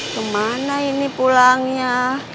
kemana ini pulangnya